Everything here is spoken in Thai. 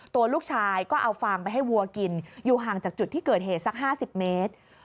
ตัวลูกชายก็เอาฟางไปให้วัวกินอยู่ห่างจากจุดที่เกิดเหตุสัก๕๐เมตร